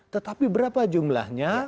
tetapi berapa jumlahnya